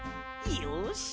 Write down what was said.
よし！